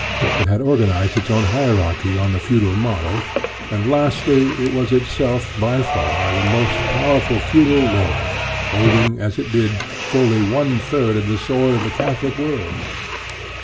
It had organized its own hierarchy on the feudal model, and, lastly, it was itself by far the most powerful feudal lord, holding, as it did, fully one third of the soil of the Catholic world.